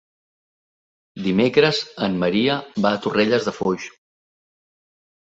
Dimecres en Maria va a Torrelles de Foix.